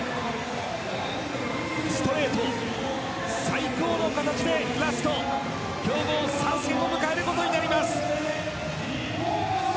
ストレート、最高の形でラスト、強豪３戦を迎えることになります。